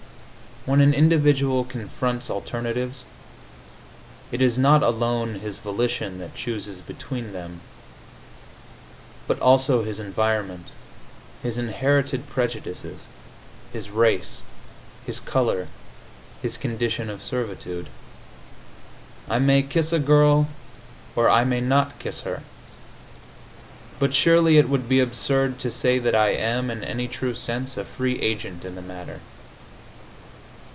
When an individual confronts alternatives, it is not alone his volition that chooses between them, but also his environment, his inherited prejudices, his race, his color, his condition of servitude. I may kiss a girl or I may not kiss her, but surely it would be absurd to say that I am, in any true sense, a free agent in the matter.